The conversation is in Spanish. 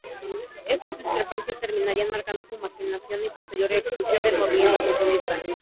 Estas discrepancias terminarían marcando su marginación y posterior expulsión del movimiento comunista.